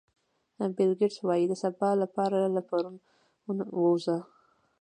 بیل ګېټس وایي د سبا لپاره له پرون ووځئ.